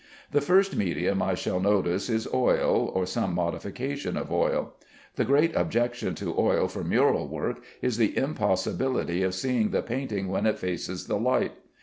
The first medium I shall notice is oil, or some modification of oil. The great objection to oil for mural work is the impossibility of seeing the painting when it faces the light.